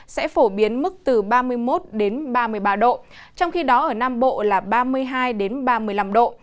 sẽ phổ biến mức từ ba mươi một ba mươi ba độ trong khi đó ở nam bộ là ba mươi hai ba mươi năm độ